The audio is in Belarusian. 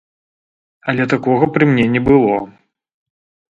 Але такога пры мне не было.